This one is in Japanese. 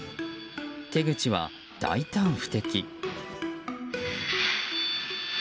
手口は大胆不敵。